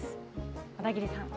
小田切さん。